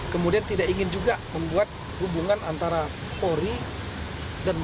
kemudian tidak ingin juga membuat hubungan antara polri dan tni